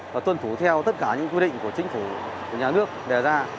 và tuân thủ theo tất cả những quy định của chính phủ của nhà nước đề ra